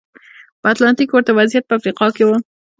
په اتلانتیک کې ورته وضعیت په افریقا کې و.